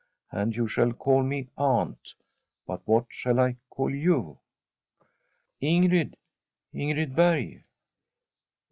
And you shall call me " Aunt "; but what shall I call you ?'* Ingrid — Ingrid Berg.'